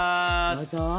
どうぞ！